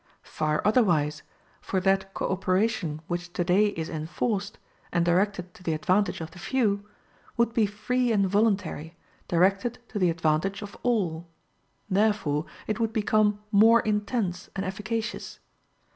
Far otherwise, for that co operation which today is enforced, and directed to the advantage of the few, would be free and voluntary, directed to the advantage of all. Therefore it would become more intense and efficacious.